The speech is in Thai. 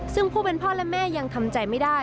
ซึ่งผู้เป็นพ่อและแม่ยังทำใจไม่ได้